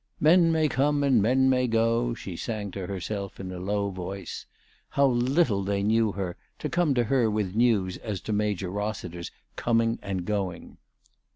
" Men may come and men may go," she sang to herself, in a low voice. How little they knew her, to come to her with news as to Major Rossiter's coming and going!